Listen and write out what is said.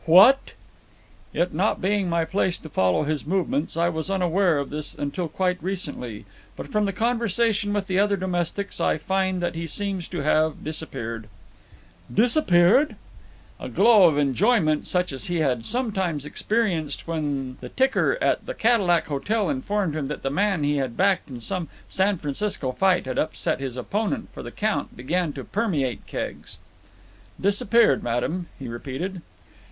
"What?" "It not being my place to follow his movements, I was unaware of this until quite recently, but from conversation with the other domestics, I find that he seems to have disappeared!" "Disappeared?" A glow of enjoyment such as he had sometimes experienced when the ticker at the Cadillac Hotel informed him that the man he had backed in some San Francisco fight had upset his opponent for the count began to permeate Keggs. "Disappeared, madam," he repeated.